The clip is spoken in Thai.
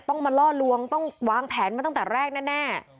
ต้องมารอดวางแผนมาตั้งแต่แรกแน่